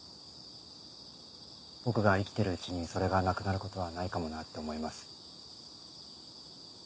僕が生きてるうちにそれがなくなることはないかもなって思います。